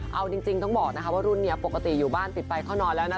เอาจริงต้องบอกนะคะว่ารุ่นนี้ปกติอยู่บ้านปิดไปเข้านอนแล้วนะ